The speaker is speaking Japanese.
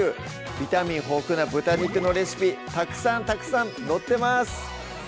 ビタミン豊富な豚肉のレシピたくさんたくさん載ってます